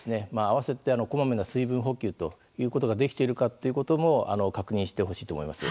併せてこまめな水分補給ということができているかっていうことも確認してほしいと思います。